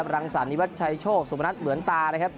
รังศรนิวัชชโชคสุมรรณรุนตา